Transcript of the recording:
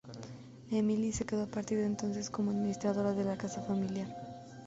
Emily se quedó a partir de entonces como administradora de la casa familiar.